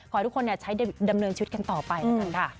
ขอให้ทุกคนใช้ดำเนินชีวิตกันต่อไปนะคะ